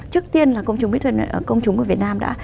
trước tiên là công chúng mỹ thuật công chúng của việt nam đã